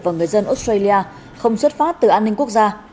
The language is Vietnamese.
và người dân australia không xuất phát từ an ninh quốc gia